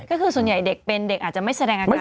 ก็คือส่วนใหญ่เด็กเป็นเด็กอาจจะไม่แสดงอาการ